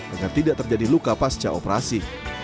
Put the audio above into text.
agar tidak terjadi luka pasca operasi